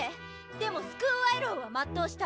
でもスクールアイドルは全うした。